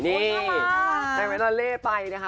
นี่แต่งเป็นอาลาเลไปนะคะ